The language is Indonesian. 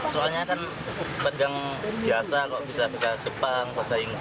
soalnya kan pedagang biasa kok bisa bisa jepang bahasa inggris